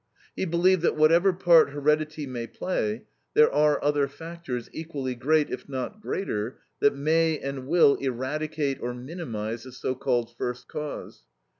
He believed that whatever part heredity may play, there are other factors equally great, if not greater, that may and will eradicate or minimize the so called first cause.